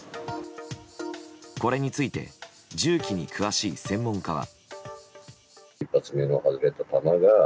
これについて銃器に詳しい専門家は。